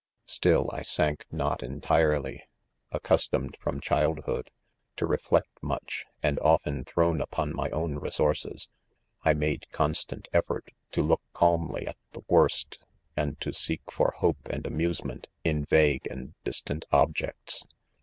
Still I sank not entirely ; accus tomed from childhood, to reflect much, and often' thrown upon my own resources, I made constant effort to look calmly at the. worst and ■to seek for hope and amusement in vague and distant objects.